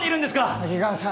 滝川さん。